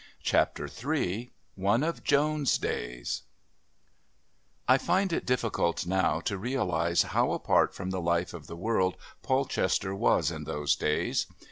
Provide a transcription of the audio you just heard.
Chapter III One of Joan's Days I find it difficult now to realise how apart from the life of the world Polchester was in those days.